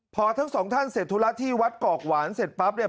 พอทั้งสองท่านเสร็จธุระที่วัดกอกหวานเสร็จปั๊บเนี่ย